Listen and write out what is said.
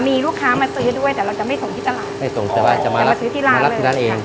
มีลูกค้ามาซื้อด้วยแต่เราจะไม่ส่งที่ตลาดไม่ส่งแต่ว่าจะมารับมารับที่ด้านเอง